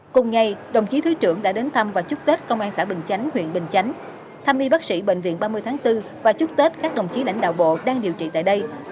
cùng ngày đồng chí thứ trưởng đã đến thăm và chúc tết công an xã bình chánh huyện bình chánh thăm y bác sĩ bệnh viện ba mươi tháng bốn và chúc tết các đồng chí lãnh đạo bộ đang điều trị tại đây